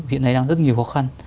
hiện nay đang rất nhiều khó khăn